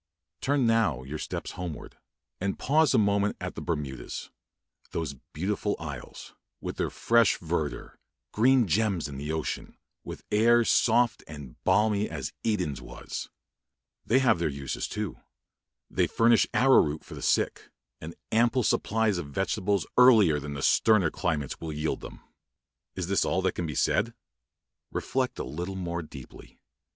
Turn now your steps homeward, and pause a moment at the Bermudas, those beautiful isles, with their fresh verdure green gems in the ocean, with air soft and balmy as Eden's was! They have their home uses too. They furnish arrow root for the sick, and ample supplies of vegetables earlier than sterner climates will yield them. Is this all that can be said? Reflect a little more deeply.